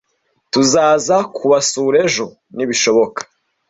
tuzaza kubasura ejo nibishoboka